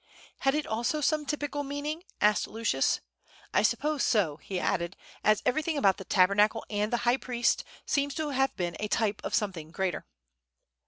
"Had it also some typical meaning?" asked Lucius. "I suppose so," he added, "as everything about the Tabernacle and the high priest seems to have been a type of something greater."